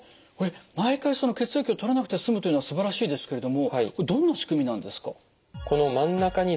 これ毎回血液を採らなくて済むというのはすばらしいですけれどもこれどんな仕組みなんですか？